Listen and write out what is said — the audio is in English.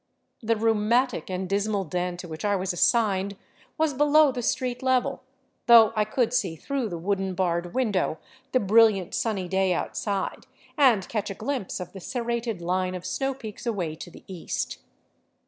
The rheumatic and dismal den to which I was assigned was below the street level, though I could see through the wooden barred window the brilliant, sunny day outside, and catch a glimpse of the serrated line of snow peaks away to the east.